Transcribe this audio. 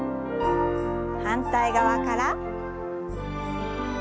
反対側から。